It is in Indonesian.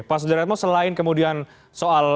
pak sudirmo selain kemudian soal